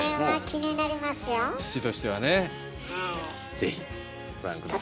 ぜひご覧下さい。